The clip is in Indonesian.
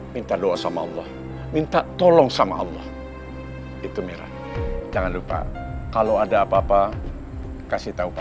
minta doa sama allah minta tolong sama allah itu merah jangan lupa kalau ada apa apa kasih tahu